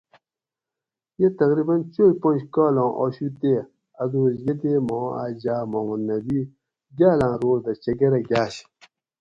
یہ تقریباً چوئ پنج کالاں آشو تے اۤ دوس یہ تے ما اۤ جاۤ محمد نبی گاۤلاں روڑ دہ چکۤرہ گاۤش